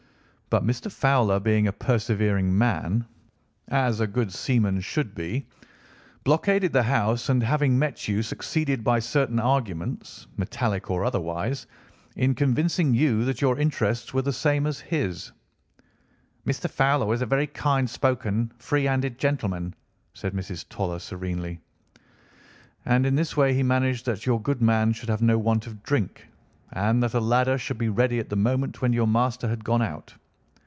"But Mr. Fowler being a persevering man, as a good seaman should be, blockaded the house, and having met you succeeded by certain arguments, metallic or otherwise, in convincing you that your interests were the same as his." "Mr. Fowler was a very kind spoken, free handed gentleman," said Mrs. Toller serenely. "And in this way he managed that your good man should have no want of drink, and that a ladder should be ready at the moment when your master had gone out."